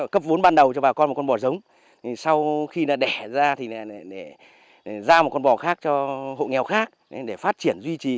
cấp vốn ban đầu cho bà con một con bò giống sau khi đẻ ra thì ra một con bò khác cho hộ nghèo khác để phát triển duy trì